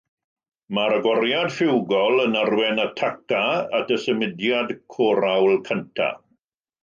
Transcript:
Mae'r agoriad ffiwgol yn arwain attacca at y symudiad corawl cyntaf.